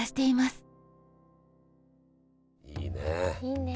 いいね。